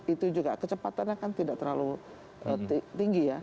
itu juga kecepatannya kan tidak terlalu tinggi ya